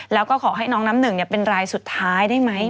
แล้วก็ขอให้น้องน้ำหนึ่งเป็นรายสุดท้ายได้ไหม